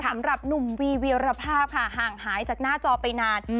สำหรับหนุ่มวีวีรภาพค่ะห่างหายจากหน้าจอไปนาน